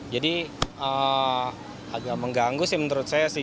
jadi agak mengganggu sih menurut saya sih